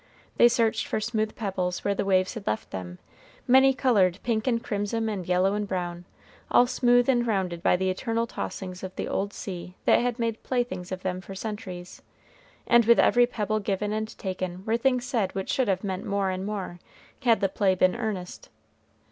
They searched for smooth pebbles where the waves had left them, many colored, pink and crimson and yellow and brown, all smooth and rounded by the eternal tossings of the old sea that had made playthings of them for centuries, and with every pebble given and taken were things said which should have meant more and more, had the play been earnest.